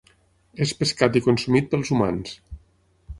És pescat i consumit pels humans.